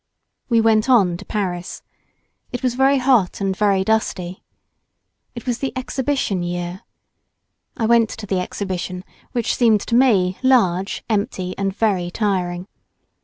We went on to Paris. It was very hot and very dusty. It was the Exhibition year. I went to the Exhibition which seemed to me large, empty and very tiring.